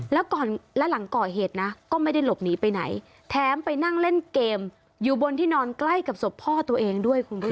แล้วก่อนและหลังก่อเหตุนะก็ไม่ได้หลบหนีไปไหนแถมไปนั่งเล่นเกมอยู่บนที่นอนใกล้กับศพพ่อตัวเองด้วยคุณผู้ชม